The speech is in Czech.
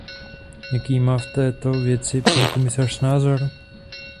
Jaký má v této věci pan komisař názor?